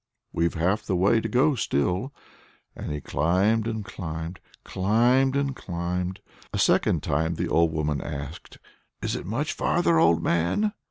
"We've half the way to go still." Again he climbed and climbed, climbed and climbed. A second time the old woman asked: "Is it much farther, old man?"